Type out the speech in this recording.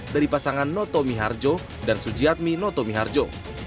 dari pasangan noto miharjo dan sujiatmi noto miharjo